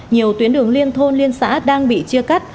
nhiều tuyến đường liên thôn liên xã đang bị chia cắt